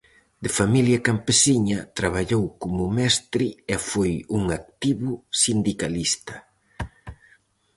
De familia campesiña, traballou como mestre e foi un activo sindicalista.